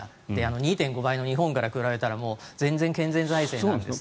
２．５倍の日本から比べたら全然、健全財政なんですが。